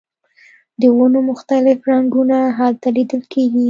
د ونو مختلف رنګونه هلته لیدل کیږي